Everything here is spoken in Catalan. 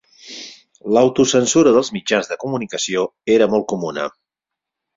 L'autocensura dels mitjans de comunicació era molt comuna.